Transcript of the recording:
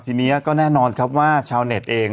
ทีนี้ก็แน่นอนครับว่าชาวเน็ตเอง